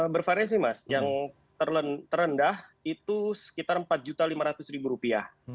bervariasi mas yang terendah itu sekitar empat lima ratus rupiah